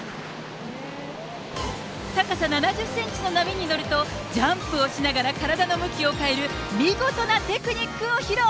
高さ７０センチの波に乗ると、ジャンプをしながら体の向きを変える見事なテクニックを披露。